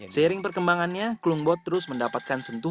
seiring perkembangannya klumbot terus mendapatkan sentuhan